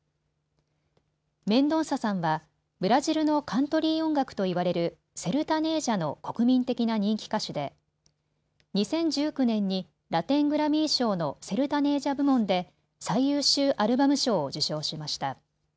メンドンサさんはブラジルのカントリー音楽といわれるセルタネージャの国民的な人気歌手で２０１６年にラテン・グラミー賞のセルタネージャ部門で最優秀アルバム賞を受賞しました。